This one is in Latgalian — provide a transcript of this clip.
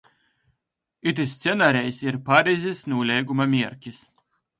Itys scenarejs ir Parizis nūleiguma mierkis.